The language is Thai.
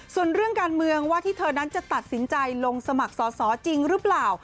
ส่วนเรื่องการเมืองว่าที่เธอนั้นจะตัดสินใจลงสมัครสอสอจริงหรือเปล่า